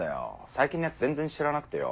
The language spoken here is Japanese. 最近のやつ全然知らなくてよ。